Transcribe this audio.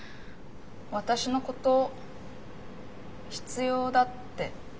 私のこと必要だって。